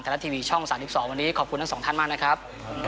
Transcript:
รัฐทีวีช่อง๓๒วันนี้ขอบคุณทั้งสองท่านมากนะครับ